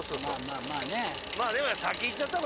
まあまあまあね。